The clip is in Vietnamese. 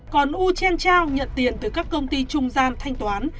còn wu chen chao nhận tiền từ các công ty trung gian thanh toán